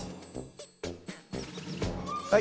はい